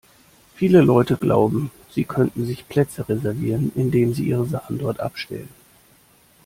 Viele Leute glauben, sie könnten sich Plätze reservieren, indem sie ihre Sachen dort abstellen.